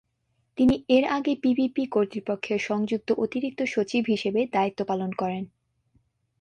তিনি এর আগে পিপিপি কর্তৃপক্ষের সংযুক্ত অতিরিক্ত সচিব হিসেবে দায়িত্ব পালন করেন।